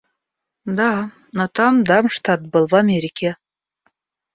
Да, но там Дармштадт был в Америке.